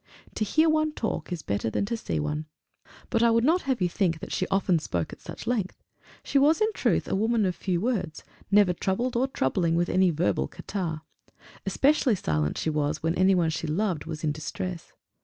To hear one talk is better than to see one. But I would not have you think she often spoke at such length. She was in truth a woman of few words, never troubled or troubling with any verbal catarrh. Especially silent she was when any one she loved was in distress.